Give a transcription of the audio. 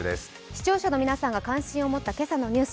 視聴者の皆さんが感心を持った今朝のニュース